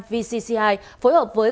vcci phối hợp với